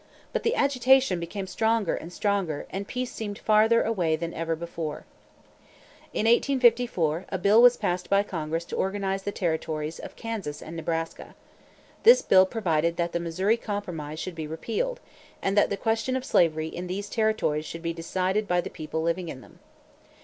But the agitation became stronger and stronger, and peace seemed farther away than ever before. In 1854, a bill was passed by Congress to organize the territories of Kansas and Nebraska. This bill provided that the Missouri Compromise should be repealed, and that the question of slavery in these territories should be decided by the people living in them.